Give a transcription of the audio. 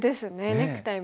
ネクタイも。